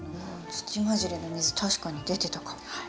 土混じりの水確かに出てたかも。